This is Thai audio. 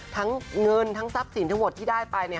ทั้งเงินทั้งทรัพย์สินทั้งหมดที่ได้ไป